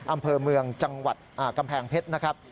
อำเภอเมืองจังหวัดกำแพงเพชรนะครับ